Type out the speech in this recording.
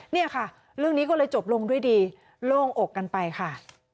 เนี่ยค่ะเรื่องนี้ก็เลยจบลงด้วยดีโล่งอกกันไปค่ะ